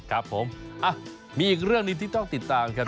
ครับผมมีอีกเรื่องหนึ่งที่ต้องติดตามครับ